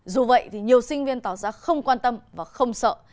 dù vậy thì nhiều sinh viên tỏ ra không quan tâm và không sợ